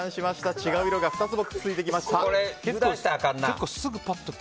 違う色が２つもくっついてきました。